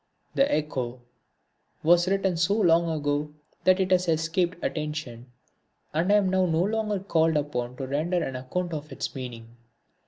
The Echo was written so long ago that it has escaped attention and I am now no longer called upon to render an account of its meaning.